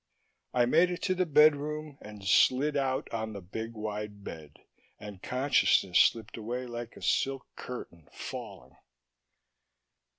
I made it to the bedroom and slid out on the big wide bed, and consciousness slipped away like a silk curtain falling.